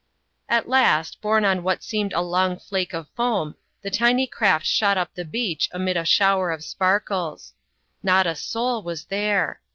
At last, borne on what seemed a long flake of foam, the tiny craft shot up the beach amid a shower of sparkles. Not a soul was there.